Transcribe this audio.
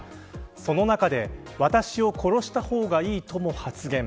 その中で、私を殺した方がいいとも発言。